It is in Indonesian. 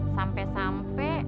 sampai sekarang aku masih di rumah